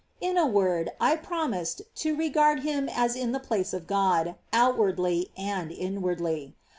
In a word, I promised to regard him as in the place of God, out wardly and inwardly.